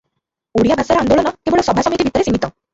ଓଡ଼ିଆ ଭାଷା ଆନ୍ଦୋଳନ କେବଳ ସଭାସମିତି ଭିତରେ ସୀମିତ ।